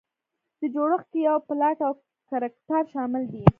په جوړښت کې یې پلاټ او کرکټر شامل دي.